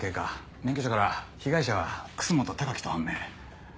免許証から被害者は楠本貴喜と判明。